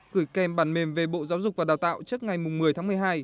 gửi kèm bản mềm về bộ giáo dục và đào tạo trước ngày một mươi tháng một mươi hai